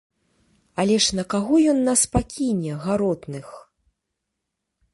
Але ж на каго ён нас пакіне, гаротных?